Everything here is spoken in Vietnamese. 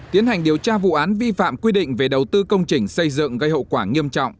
tiến hành điều tra vụ án vi phạm quy định về đầu tư công trình xây dựng gây hậu quả nghiêm trọng